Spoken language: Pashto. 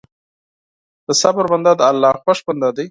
د صبر بنده د الله خوښ بنده دی.